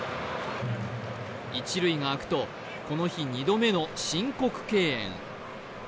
一塁が空くとこの日２度目の申告敬遠。